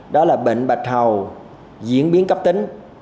đó là bệnh bạch hầu diễn biến cấp tính